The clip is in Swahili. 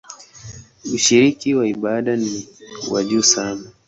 Ushiriki wa ibada ni wa juu sana.